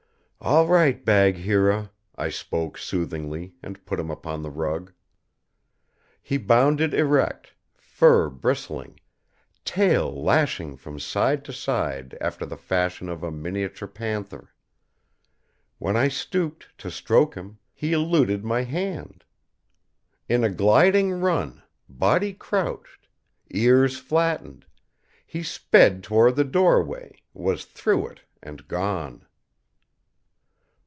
"All right, Bagheera," I spoke soothingly, and put him upon the rug. He bounded erect, fur bristling, tail lashing from side to side after the fashion of a miniature panther. When I stooped to stroke him, he eluded my hand. In a gliding run, body crouched, ears flattened, he sped toward the doorway, was through it and gone.